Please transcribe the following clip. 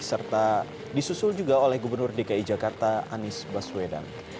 serta disusul juga oleh gubernur dki jakarta anies baswedan